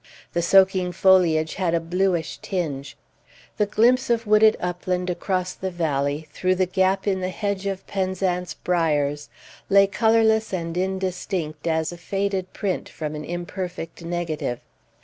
The soaking foliage had a bluish tinge; the glimpse of wooded upland, across the valley through the gap in the hedge of Penzance briers, lay colorless and indistinct as a faded print from an imperfect negative.